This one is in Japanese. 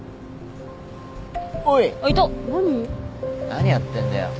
何やってんだよ。